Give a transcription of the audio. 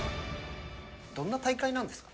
どんな大会なんですか？